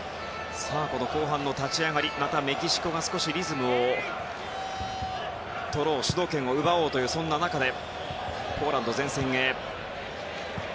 後半の立ち上がりまたメキシコがリズムを取ろう主導権を奪おうという中で。